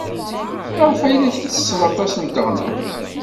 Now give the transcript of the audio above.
Maɣef ay tettessed aṭas n teɣlust?